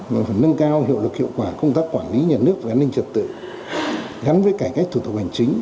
và phần nâng cao hiệu lực hiệu quả công tác quản lý nhà nước và an ninh trật tự gắn với cải cách thủ tục hành chính